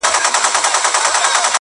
چي یو غټ سي د پنځو باندي یرغل سي!.